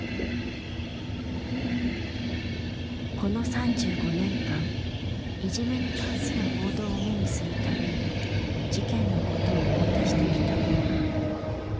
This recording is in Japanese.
この３５年間いじめに関する報道を目にするたび事件のことを思い出してきた。